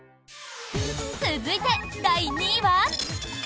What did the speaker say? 続いて、第２位は。